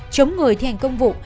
chống người thi hành công vụ